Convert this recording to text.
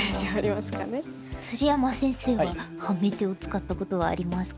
鶴山先生はハメ手を使ったことはありますか？